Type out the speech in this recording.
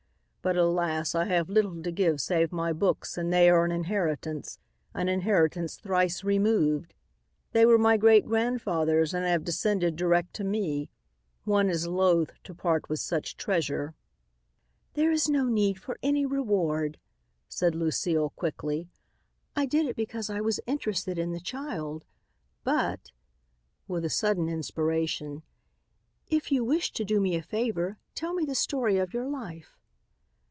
But, alas, I have little to give save my books and they are an inheritance, an inheritance thrice removed. They were my great grandfather's and have descended direct to me. One is loath to part with such treasure." "There is no need for any reward," said Lucile quickly. "I did it because I was interested in the child. But," with a sudden inspiration, "if you wish to do me a favor, tell me the story of your life."